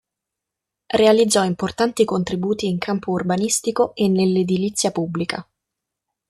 Realizzò importanti contributi in campo urbanistico e nell'ediliza pubblica.